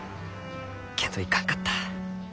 けんどいかんかった。